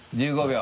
１５秒。